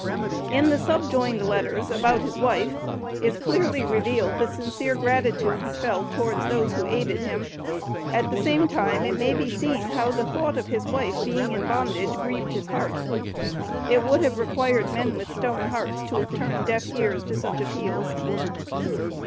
In the subjoined letters (about his wife) is clearly revealed the sincere gratitude he felt towards those who aided him: at the same time it may be seen how the thought of his wife being in bondage grieved his heart. It would have required men with stone hearts to have turned deaf ears to such appeals.